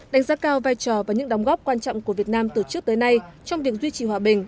đánh giá cao vai trò và những đóng góp quan trọng của việt nam từ trước tới nay trong việc duy trì hòa bình